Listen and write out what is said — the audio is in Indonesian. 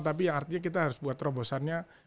tapi yang artinya kita harus buat terobosannya